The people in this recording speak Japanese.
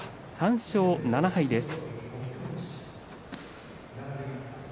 ３勝７敗です。